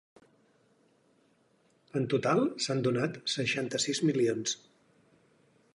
En total s’han donat seixanta-sis milions.